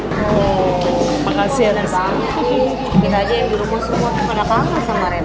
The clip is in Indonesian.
kita aja yang dirumus semua pada kangen sama rena